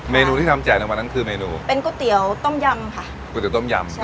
เมนูที่ทำแจกในวันนั้นคือเมนูเป็นก๋วยเตี๋ยวต้มยำค่ะก๋วยเตีต้มยำ